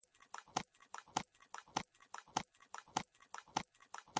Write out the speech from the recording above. جواهرات د افغان ښځو په ژوند کې رول لري.